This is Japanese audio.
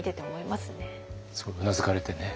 すごくうなずかれてね。